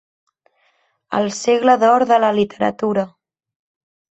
El segle d'or de la literatura.